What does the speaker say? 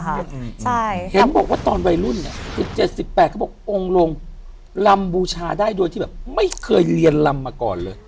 ใช่เห็นบอกว่าตอนวัยรุ่นเนี่ย๑๗๑๘เขาบอกองค์ลงลำบูชาได้โดยที่แบบไม่เคยเรียนลำมาก่อนเลย